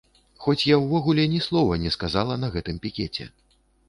Хоць я ўвогуле ні слова не сказала на гэтым пікеце!